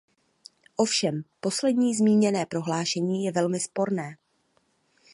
Ovšem poslední zmíněné prohlášení je velmi sporné.